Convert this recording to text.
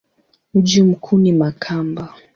Mji mkuu ni Makamba.